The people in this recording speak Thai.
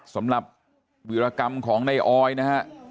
สำหรับวิรกรรมของในออยนะฮะ